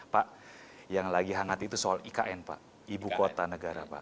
pak yang lagi hangat itu soal ikn pak ibu kota negara pak